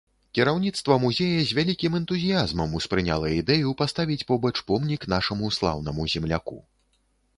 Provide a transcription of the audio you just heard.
Кіраўніцтва музея з вялікім энтузіязмам успрыняла ідэю паставіць побач помнік нашаму слаўнаму земляку.